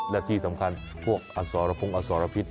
และที่สำคัญพวกอสรพงศ์อสรพิษ